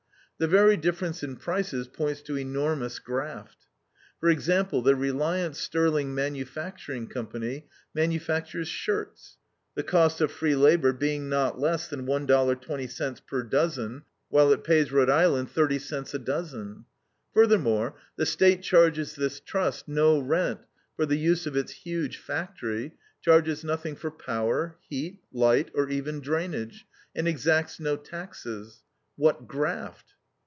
The very difference in prices points to enormous graft. For example, the Reliance Sterling Mfg. Co. manufactures shirts, the cost of free labor being not less than $1.20 per dozen, while it pays Rhode Island thirty cents a dozen. Furthermore, the State charges this Trust no rent for the use of its huge factory, charges nothing for power, heat, light, or even drainage, and exacts no taxes. What graft!